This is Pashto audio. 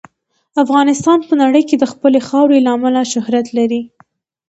افغانستان په نړۍ کې د خپلې خاورې له امله شهرت لري.